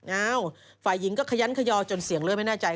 อ้าวฝ่ายหญิงก็ขยันขยอจนเสียงเลือดไม่แน่ใจ